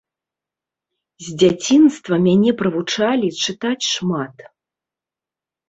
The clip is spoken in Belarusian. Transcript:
З дзяцінства мяне прывучалі чытаць шмат.